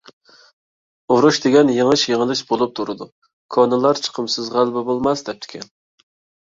ئۇرۇش دېگەندە يېڭىش - يېڭىلىش بولۇپ تۇرىدۇ، كونىلار «چىقىمسىز غەلىبە بولماس» دەپتىكەن.